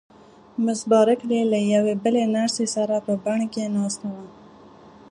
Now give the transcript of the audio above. مس بارکلي له یوې بلې نرسې سره په بڼ کې ناسته وه.